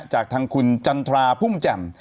จากทางคุณจันทราพุ่มแจ่ม